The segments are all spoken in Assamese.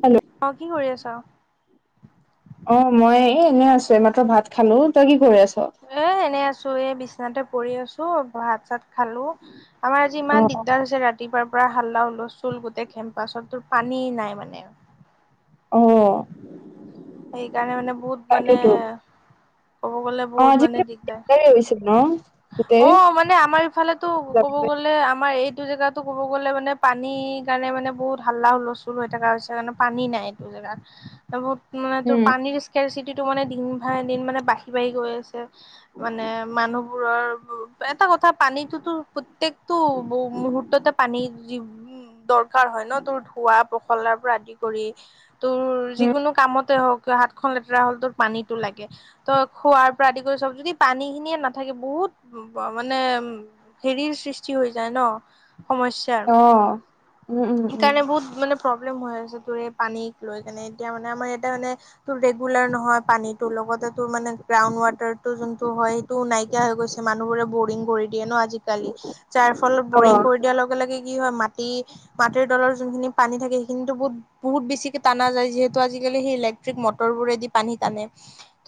হে'ল্ল অ কি কৰি আছ? অ মই এই এনেই আছো এইমাত্ৰ ভাত খালো তই কি কৰি আছোঁ? এ এনেই আছো এ বিচনাতে পৰি আছো ভাত-চাত খালো আমাৰ আজি অ ইমান দিদ তাৰ পিছত ৰাতিপুৱাৰ পৰা হাল্লা হলুষ্টোল গোটেই কেম্পাছতো পানী নাই মানে অ সেইকাৰণে মানে বহুত মানে তাকেতো ক'ব গ'লে অ বহুত মানে আজিকালি দিগদাৰ দিগদাৰি হৈছে ন অ গোটেই মানে আমাৰ ইফালেটো ক'ব গ'লে আমাৰ এইটো জেগাতো ক'ব গ'লে মানে পানীৰ কাৰণে মানে বহুত হাল্লা-হুলস্থ। হৈ থকা হৈছে কাৰণে পানী নাই এইটো জেগাত বহুত মানে তোৰ উম পানীৰ স্কৰিচিটিটো মানে দিন ভাই দিন মানে বাকী বাঢ়ি গৈ আছে মানে মানুহবোৰৰ এটা কথা পানীটোতো প্ৰত্যেকটো মুহূুৰ্ততে পানী যি উ দৰকাৰ হয় ন তোৰ ধোৱা পখলাৰ পৰা আদি কৰি তোৰ উম যিকোনো কামত তৰা হাতখন লেতেৰা হ'ল তো পানীটো লাগে। ত 'খোৱাৰ পৰা আদি কৰি চব যদি পানী খিনিয়ে নাথাকে বহুত মানে উ হেৰিৰ সৃষ্টি হৈ যায় ন সমস্যাৰ অঁ সেইকাৰণে বহুত মানে প্ৰব্লেম হৈ আছে তোৰ পানীক লৈ কেনে এতিয়া মানে আমাৰ ইয়াতে মানে তোৰ ৰেগুলাৰ নহয় পানীটো লগতে তোৰ মানে গ্ৰাউনড ৱাৰ টো যোনটো হয় সেইটো নাইকিয়া হৈ গৈ মানুহোৰে বৰিং কৰি দিয়ে ন আজি কালি যাৰ ফলত অ বৰিং কৰি দিয়াৰ লগে লগে কি হয় মাটি মাটিৰ দলৰ যোনখিনি পানী থাকে সেইখিনিতো বহুত বহুত বেছিকে টানা যায় যিহেতু আজিকালি সেই ইলেক্ট্ৰিক মটৰ বোৰেদি পানী টানে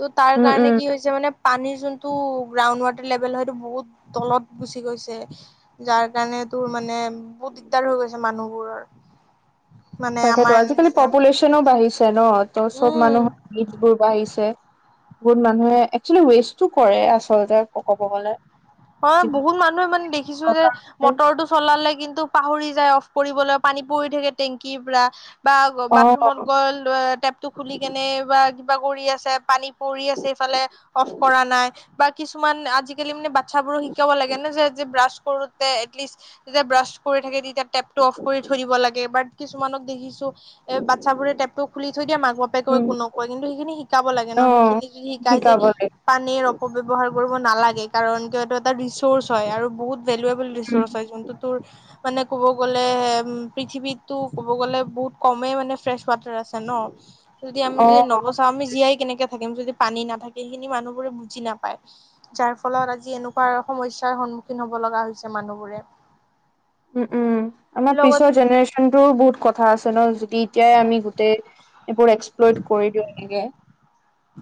তো তাৰ উম উম কাৰণে কি হৈছে মানে পানীৰ যোনটো গ্ৰাউণ্ড ৱাটাৰ লেভেল হয়েইটো বহুত তলত গুচি গৈছে যাৰ কাৰণে তোৰ মানে বহুত দিগদাৰ হৈ গৈছে মানুহবোৰৰ মানে তাকেতো আমাৰ আজিকালি পপুলেশ্যনো বাঢ়িছে ন ত' চব উম মানুহৰ নিটবোৰ বাঢ়িছে গহুত মানুহে একচেলি ৱেষ্টটো কৰে আচলতে ক'ব গলে হয় বহুত মানুহে মানে দেখিছো যে মটৰটো চলালে কিন্তু পাহৰি যায় অফ কৰিবলৈ পানী পৰি থাকে টেংকিৰ পৰা বা অ বাথৰুমত গল টেপ টো খুলি কেনে বা কিবা কৰি আছে পানী পৰি আছে ইফালে অফ কৰা নাই বা কিছুমান আজিকালি মানে বাচ্ছাবোৰো শিকাব লাগে ন যে যে ব্ৰাছ কৰোতে এটলিষ্ট যে ব্ৰাছ কৰি থাকে তেতিয়া টেপটো অফ কৰি থৈ দিব লাগে বা কিছুমানক দেখিছো এই বাচ্ছাবোৰে টেপটো খুলি থৈ দিয়ে মাক বাপে কৈ উম কোনে কয় কিন্তু সেইখিনি শিকাব লাগে অ ন সেইখিনি যদি শিকাই যে শিকাব লাগিব পানীৰ অপব্যৱহাৰ কৰিব নালাগে কাৰণ কিয়নো এটা ৰিচ'ৰ্চ হয় আৰু বহুত ভেলুুৱেবল উম ৰিচৰ্চ হয় যোনটো তোৰ মানে ক'ব গ'লে উম পৃথিৱীতো ক'ব গ'লে বহুত কমে মানে ফ্ৰেচ ৱাটাৰ আছে ন যদি আমি যদি অ নৱ আমি জীয়াই কেনেকে থাকিম যদি পানী নাথাকে সেইখিনি মানুহবোৰে বুজি নাপায় যাৰ ফলত আজি যি এনেকুৱা সমস্যাৰ সন্মুখীন হব লগা হৈছে মানুহবোৰে উম উম আমাৰ লগত পিছৰ জেনেৰেশ্যন টো বহুত কথা আছে ন দি এতিয়াই আমি গোটেই এইবোৰ এক্সপ্লৰ কৰি দিওঁ একে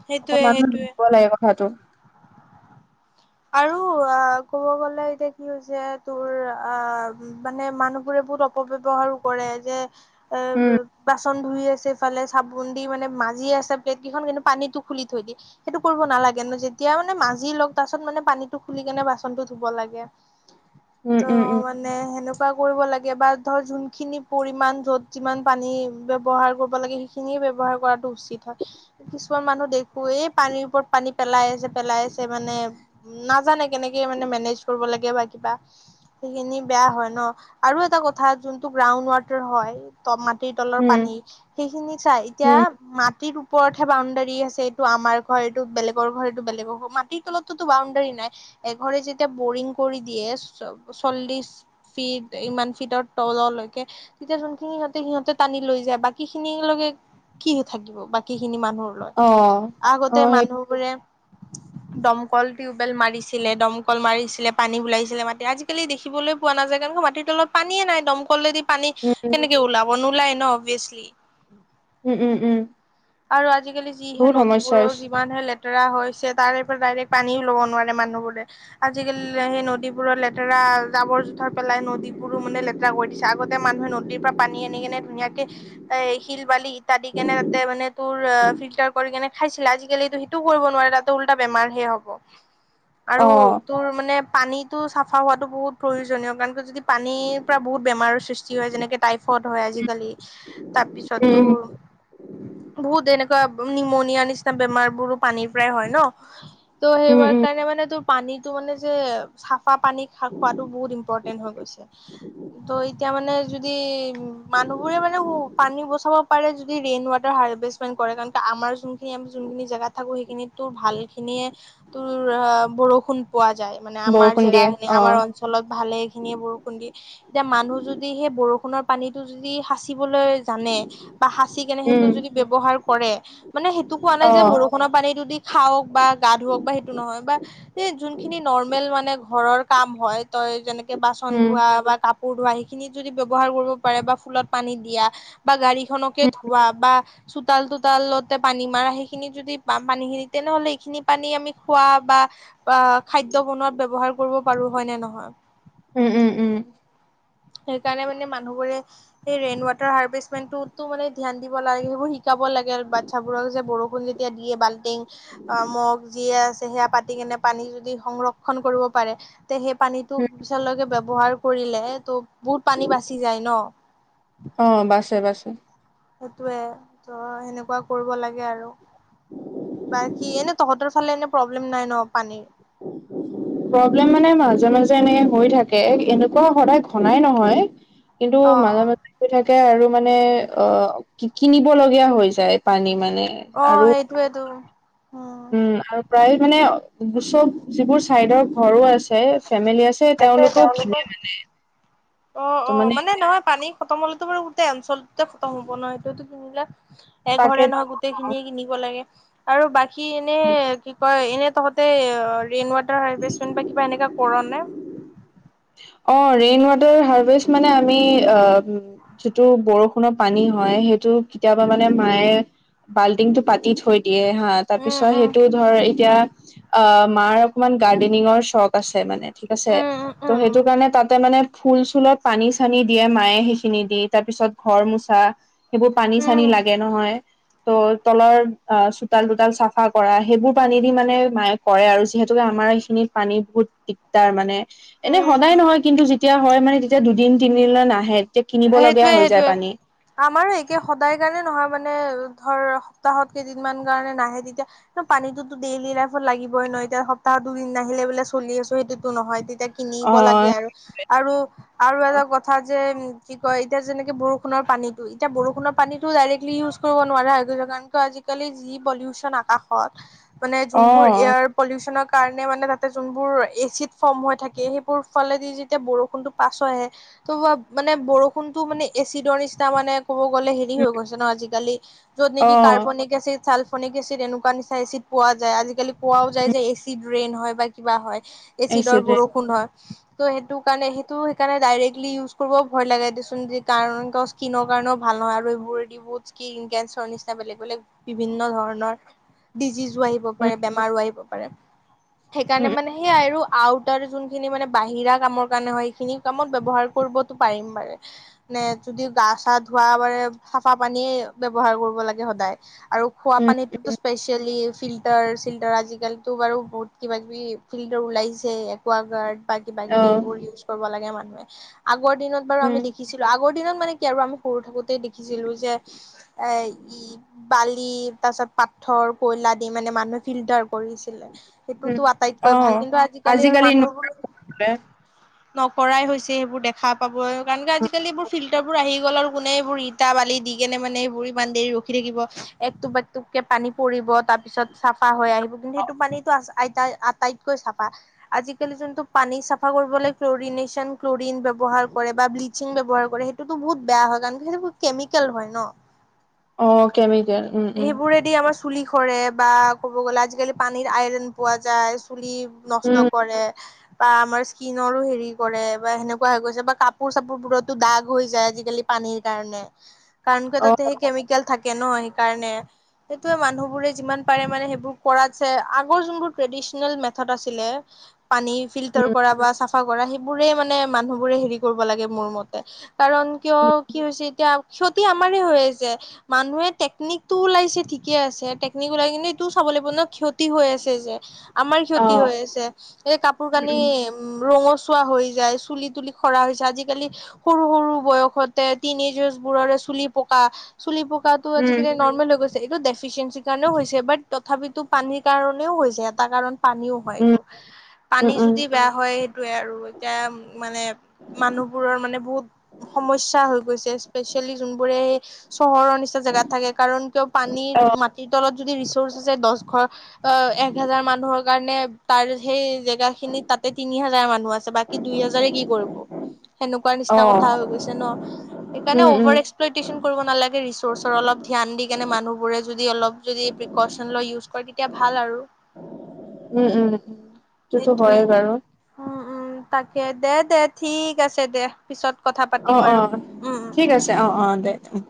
সেইটোৱে অকনমান সেইটোৱে ভাবিব লাগে কথাাটো আৰু অ ক'ব গলে এতিয়া কি হৈছে তোৰ অ মানে মানুহবোৰে বহুত অপব্যৱহাৰো কৰে যে এ উম, বাচন ধুই আছে ইফালে চাবোন দি মানে মাজি আছে প্লেট কেইখন কিন্তু পানীতটো খুলি থৈ দিয়ে সেইটো কৰিব নালাগে ন যেতিয়া মানে মাজি লওক তাৰপিছত মানে পানীতটো খুলি কেনে বাচনতটো ধুব লাগে উম, ত' উম, উম, মান সেনেকুৱা কৰিব লাগে বা ধ যোনখিনি পৰি যত যি পানী ব্যৱহাৰ কৰিব লাগ খিনিয়ে ব্যৱহাৰ কৰাটো উচিত হয় কিছুমান মানুহ দেখো এই পানীৰ ওপৰত পানী পেলাই আছে পেলাই আছে মানে নাজানে কেনেকে মানে মেনেজ কৰিব লাগে বা কিবা সেইখিনি বেয়া হয় ন আৰু এটা কথা যোনটো গ্ৰাউণ্ড ৱাটাৰ হয় ত মাটিৰ তলৰ উম, পানী সেইখিনি চাই এতিয়া উম, মাটিৰ ওপৰতহে বাউণ্ডাৰী আছে এইটো আমাৰ ঘৰ এইটো বেলেগৰ ঘৰটো বেলেগৰ ঘৰ মাটিৰ তলত টো বাউণ্ডাৰী নাই এঘৰে যেতিয়া বৰিং কৰি দিয়ে চল্লিশ ফিট ইমান ফিটৰ তললৈকে তেতিয়া যোনখিনি সিহঁতে সিহঁতে টানি লৈ যায় বাকী খিনিলৈকে কি থাকিব বাকী খিনি অ', মানুহৰ আগতে অ', সেইটো মানুহবোৰে কল টিউবৱেল মাৰিছিলে দমকল মাৰিছিলে পানী ওলাইছিলে মাটি আজিকালি দেখিবলৈ পোৱা নাযায় কাৰ মাটিত অলপ পানীয়ে নাই দমকলেদি পানী উম, কেনেকে ওলাব নোলায় ন অভিয়াচলি উম, উম, উম। আৰু আজিকালি যিহে বহুত সমস্যা নদীবোৰো হৈছে যিমানহে লেত [unintelligible] হৈছে তাৰে পৰা ডাইৰেক্ট পানীও ল'ব নোৱাৰে মানুহবোৰে আজিকালি সেই নদী বোৰত লেতেৰা জাবৰ জোথৰ পেলাই নদী বোৰো মানে লেতেৰা কৰি দিছে আগতে মানুহে নদীৰ পৰা পানী আনি কিনে ধুনীয়াকে এ, শিল বালি [unintelligible] কিনে তাতে মানে [unintelligible] ফিল্টাৰ কৰি কেনে খাইছিলে আজিকালিতো সেইটোও কৰিব নোৱাৰে তাতে উল্টা বেমাৰহে হ'ব। আৰু অ', তোৰ মানে পানীতো চাফা হোৱাটো বহুত প্ৰয়োজনীয় কাৰণ যদি পানীৰ পৰা বহুত বেমাৰৰ সৃষ্টি হয় যেনেকে টাইফইড হয় আজিকালি, তাৰপিছত উম, তোৰ বহুত এনেকুৱা নিমনিয়া নিচিনা বেমাৰবোৰো পানীৰ পৰাই হয় ন'। ত' উম, সেইবোৰত উম, কাৰণে মানে ত পানীটো মানে যে চাফা পানী খা খোৱাতো বহুত ইম্পৰ্টেন্ট হৈ গৈছে। [inaudible] ত' এতিয়া মানে যদি মানুহবোৰে মানে উ পানী বচাব পাৰে যদি ৰেইন ৱা হাৰ্ভেষ্টমেট কৰে কাৰণ আমাৰ যোনখিনি আমি যোনখিনি জেগাত থাকো সেইখিনিত ত' ভাল খিনিয়ে তোৰ বৰষুণ পোৱা যায় মানে আমাৰ বৰষুণ জেগা দিয়ে খিনি আমাৰ অ', অঞ্চ চলত ভালে খিনিয়ে বৰষুণ দিয়ে। এতিয়া মানুহ যদি সেই বৰষুণৰ পানীটো যদি সাঁচিবলৈ জানে বা সাঁচি কেনে সেইটো উম, যদি ব্যবহাৰ কৰে মানে সেইটো কোৱা নাই যে অ', বৰষুণৰ পানীটো দি খাওঁক বা গা ধুৱক বা সেইটো নহয় বা এই যোনখিনি নৰ্মেল মানে ঘৰৰ কাম হয়। তই যেনেকে বাচন উম, ধোৱা বা কাপ কাপোৰ ধোৱা সেইখিনি যদি ব্যৱহাৰ কৰিব পাৰে বা ফুলত পানী দিয়া বা গাড়ী খনকে উম, ধোৱা [unintelligible] চোতাল তোতালতে পানী মাৰা সেইখিনি যদি পানী খিনি তেনেহ'লে এইখিনি পানী আমি খোৱা বা খাদ্য বনোৱাত ব্যৱহাৰ কৰিব পাৰোঁ হয় নে নহয়। উম, উম, উম। সেইকাৰণে মানে মানুহবোৰে সেই ৰেন ৱাটাৰ হাৰ্ভেষ্টমেণ্টতো মানে ধ্যান দিব লাগে সেইবোৰ শিকাব লাগে বা ইচ্ছাবোৰক যে বৰষুণ যেতিয়া বাল্টিং মগ যিয়ে আছে সেয়া পাতি কেনে পানী যদি সংৰক্ষ ক্ষন কৰিব পাৰে তে সেই পানীটো উম পিছলৈকে ব্যৱহাৰ কৰিলে ত বহুত পানী বাচি যায় ন'। অ' বাচে বাচে। সেইটোৱে ত' সেনেকুৱা কৰিব লাগে আৰু। বাকী এনে তহঁতৰ ফালে এনে প্ৰব্লেম নাই ন' পানীৰ? [inaudible] প্ৰব্লেম মানে মাজে মাজে এনেকে হৈ থাকে এনেকুৱা সদায় ঘনাই নহয়। কিন্তু অ মাজে মাজ অ হৈ থাকে আৰু মানে অ' কি-কিনিব লগীয়া হৈ যায় পানী মানে। আৰু অ' সেইটোৱেতো উম। প্ৰায় মানে চব যিবোৰ চাইডৰ ঘৰো আছ [unintelligible] ফেমিলি আছে তেওঁলোকেও কিনে মানে। অ', ত অ', মানে নহয় পানী খতম হ'লেতো বাৰু গোটেই অঞ্চলটোতে খতম হ'ব নহয় ইটো সিটো কিনিলে। তাকে এঘৰে নহয় গোটেইখিনিয়ে কিনিব লাগে। আৰু বাকী এনে কি কয় এনে তহঁত [unintelligible] ৰেইন ৱাটাৰ হাৰ্ভেষ্টমেণ্ট বা কিবা এনেকুৱা কৰোঁ নে? অ' ৰেইন ৱাটাৰ হাৰ্ভেষ্ট মানে আমি অম যিটো বৰষুণৰ পানী হয় সেইটো কেতিয়াবা মানে মায়ে বাল্টিংটো পাতি থৈ দিয়ে হা তাৰ উম, পিছত উম, সেইটো ধৰ এতিয়া অ' মাৰ অকমান গাৰ্ডেনিঙৰ চখ আছে মানে ঠিক আছে। উম, উম, ত' উম, সেইটো কাৰণ তাতে মানে ফুল চুলত পানী চানী দিয়ে মায়ে সেইখিনি দি তাৰ পিছত ঘৰ মোচা সেইবোৰ পানী উম, চানী লাগে নহয়। ত' তলৰ অ চোতাল তোতাল চাফা কৰা সেইবোৰ পানী দি মানে মায়ে কৰে আৰু যিহেতুকে আমাৰ এইখিনিত পানী বহুত দিগদাৰ মানে এনেই উম, সদায় উম, নহয় কিন্তু যেতিয়া হয় মানে তেতিয়া দুদিন তিনিদিন নাহে তেতিয়া কিনিব লগীয়া সেইটোৱে হৈ যায় সেইটোৱে। পানী আমাৰো একে সদায় কাৰণে নহয় মানে ধৰ সপ্তাহত কেইদিনমান কাৰণে নাহে তেতিয়া। পানীতো ডেইলী লাইফত লাগিবই নয় এতিয়া সপ্তাহত দুদিন নাহিলে বোলে চলি আছো সেইটোতো নহয় তেতিয়া অ কিনিব লাগে আৰু আৰু আৰু এটা কথা যে কি কয় এতিয়া যেনেকে বৰষুণৰ পানীটো এতিয়া বৰষুণৰ পানীটো ডাইৰেক্টলি ইউজ কৰিব নোৱাৰা হৈ গৈছে কাৰণ কিয় আজি আজিকালি যি পলিউচন আকাশত মানে অ যোনবোৰ এয়াৰ পলিউচনৰ কাৰণে মানে তাতে যোনবোৰ এচিড ফৰ্ম হৈ থাকে সেইবোৰ ফালেদি যেতিয়া বৰষুণটো পাছহৈ আহে' মানে বৰষুণটো মানে এচিডৰ নিচিনা মানে ক'ব গ'লে হেৰি উম হৈ গৈছে ন আজিকালি য'ত অ নেকি কাৰ্বনিক এচিড ছালফনিক এচিড এনেকুৱা নিচা এচিড পোৱা যায় আজিকালি পোৱাও যায় উম যে এচিড ৰেইন হয় বা কিবা হয় এচিডৰ এইচোৰে বৰষুণ হয় ত সেইটো কাৰণে সেইটো সেইকাৰণে ডাইৰেক্টলি ইউজ কৰিব ভয় লাগে দেচোন যি কাৰণ স্কিনৰ কাৰণেও ভাল নহয় আৰু এইবোৰ যিবোৰ স্কিন কেৰ নিচিনা বেলেগ বেলেগ বিভিন্ন ধৰণৰ ডিজিজো আহিব উম পাৰে বেমাৰো আহিব পাৰে সেইকাৰণে উম মানে সেই আৰু আউটাৰ যোন যোনখিনি মানে বাহিৰা কামৰ কাৰণে হয় সেইখিনি কামত ব্যৱহাৰ কৰিবতো পাৰিম বাৰে নে যদি গা চা ধুৱা পাৰে চাফা পানীয়ে ব্যৱহাৰ কৰিব লাগে সদায় আৰু খোৱা উম পানীটোতো স্পেচিয়েলি ফিল্টাৰ চিল্টাৰ আজিকালি তো বাৰু বহুত কিবা কিবি ফিল্টাৰ ওলাইছে একোৱা গাৰ্ড বা কিবা অ কিবি সবোৰজ কৰিব লাগে মানুহে আগৰ দিনত বাৰু উম আমি দেখিছিলো আগৰ দিনত মানে কি আৰু আমি সৰু থাকোতেই দেখিছিলো যে এই ই বালি তাৰ পিছত পাথৰ কয়লা দি মানে মানুহে ফিল্টাৰ কৰিছিলে উম সেইটোতো অ আটাইতকৈ ভাল কিন্তু আজিকালি আৰু মানুহবোৰ নোলায় নকৰাই হৈছে সেইবোৰ দেখ খাহ পাব আৰু কাৰণে আজিকালি এইবোৰ ফিল্টাৰবোৰ আহি গ'ল আৰু কোনে এইবোৰ ইটা বালি দি কেনে মানে সবোৰ ই দেৰি দি থাকিব এক টুপ একটুপকে পানী পৰিব তাৰ পিছত চাফা হৈ আহিব কিন্তু সেইটো পানীটো আইতা তাইতকৈ চাফা আজিকালি যোনটো পানী চাফা কৰিবলৈ ফ্লোৰীনেচন ফ্লোৰিন ব্যৱহাৰ কৰে বা ব্লিচিং ব্যৱহাৰ কৰে সেইটোতো বহুত বেয়া হয় কাৰণ সেইটো কেমিকেল হয় ন অ কেমিকেল উম উম যদি আমাৰ চুলি সৰে বা ক'ব গ'লে আজিকালি পানীৰ আইৰন পোৱা যায় চুলিৰ নষ্ট উম কৰে বা আমাৰ স্কিনৰো হেৰি কৰে বা সনে হৈ গৈছে বা কাপোৰ চাপোৰ বোৰতো দাগ হৈ যায় আজিকালি পানীৰ কাৰণে কাৰণ কৈ অ তাতে সেই কেমিকেল থাকে ন সেইকাৰণে সেইটো মানুহবোৰে যিমান পাৰে মানে সেইবোৰ কৰাদ চে আগত যোনটো ট্ৰেদীচনেল মেথৰ আছিলে পানী ফিল্টাৰ উম কৰা বা চাফা কৰা সেইবোৰে মানে মানুহবোৰে হেৰি কৰিব লাগে মোৰ মতে কাৰণ কিয় কি হৈছে এতিয়া ক্ষতি আমাৰে হৈ আছে মানুহে টেকনিক টো ওলাইছে ঠিকে আছে টেকনিক ওলাই কিনে টো চাব লাগিব ন ক্ষতি হৈ আছে যে আমাৰ অ ক্ষতি হৈ আছে এই কাপোৰ কানি উম ৰঙচুৱা হৈ যায় চুলি তুলি খৰা হৈছে আজিকালি সৰু সৰু বয়সতে তিনি যুজ বোৰৰে চুলি পকা চুলি পকাত তো উম আজিকাল নৰ্মেল হৈ গৈছে এইটো ডেফিচিয়েঞ্চিৰ কাৰণেও হৈছে বাট তথাপিতো পানীৰ কাৰণেও হৈছে এটা কাৰণ পানীও হয় উম এইটো উম পানী উম যদি বেয়া হয় সেইটোয়ে আৰু এতিয়া মানে মানুহবোৰৰ মানে বহুত সমস্যা হৈ গৈছে স্পেচিয়েলি যোনবোৰে চহৰৰ নিচিনা জেগাত থাকে কাৰণ কিয় পানীৰ অ মাটিৰ তলত যদি ৰিচোৰ্চ আছে দশ ঘৰ অ এক হাজাৰ মানুহৰ কাৰণে তাৰ সেই জেগা খিনি তাতে তি হাজাৰ মানুহ আছে বাকী দুই হেজাৰ কি কৰিব সেনেকুৱা অ নিচিনা কথা হৈ গৈছে ন, সেইকাৰণে উম উম অভাৰ এক্সপ্লইটেচন কৰিব নালাগে ৰিচোৰ্চৰ অলপ ধ্যান দি কেনে মানুহবোৰে যদি অলপ যদি প্ৰিকচন লয় ইউজ কৰে তেতিয়া ভাল আৰু। উম, উম, উম। সেইটোৱে। উম, উম, তাকে দে তে ঠিক আছে। দে পিছত কথা অ পাতিম অ আৰু উম, ঠিক উম। আছে অ', অ', দে উম।